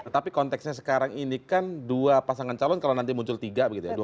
tapi konteksnya sekarang ini kan dua pasangan calon kalau nanti muncul tiga begitu ya